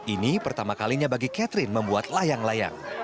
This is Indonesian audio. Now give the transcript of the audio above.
ini pertama kalinya bagi catherine membuat layang layang